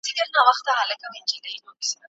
د روغتیایي معلوماتو سیستم څه دی؟